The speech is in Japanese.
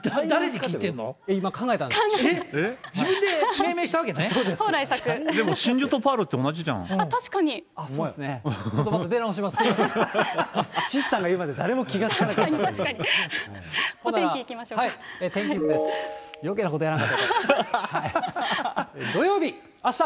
岸さんが言うまで誰も気づかなかった。